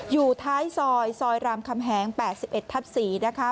อยู่ท้ายซอยซอยรามคำแหง๘๑ทับ๔นะคะ